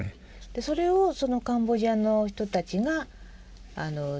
それをカンボジアの人たちが直すと。